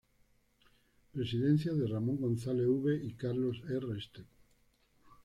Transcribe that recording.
Presidencias de Ramón González V. y Carlos E. Restrepo.